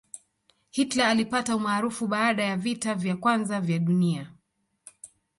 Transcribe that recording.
hitler alipata umaarufu baada ya vita vya kwanza ya dunia